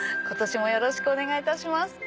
今年もよろしくお願いします。